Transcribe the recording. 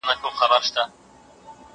سندرغاړي نڅاگاني او سازونه